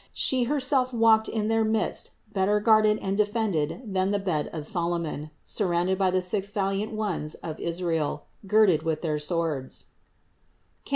She herself walked in their midst better guarded and defended than the bed of Solomon, surrounded by the sixty valiant ones of 382 THE INCARNATION 383 Israel, girded with their swords (Cant.